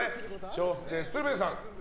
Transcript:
笑福亭鶴瓶さん。